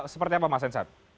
seperti apa mas hensat